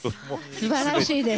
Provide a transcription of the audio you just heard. すばらしいです。